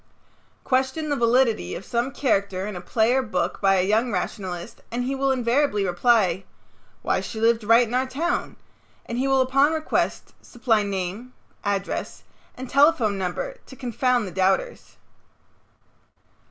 Question the validity of some character in a play or book by a young rationalist and he will invariably reply, "Why she lived right in our town," and he will upon request supply name, address, and telephone number to confound the doubters.